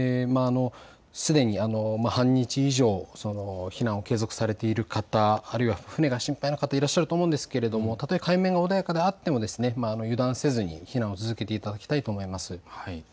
すでに半日以上、避難を継続されている方、あるいは船が心配な方、いらっしゃると思いますが、たとえ海面が穏やかであっても油断せずに避難を続けていただきたいと思います。